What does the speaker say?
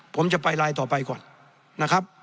ผมจะไปลายต่อไปก่อนนะครับ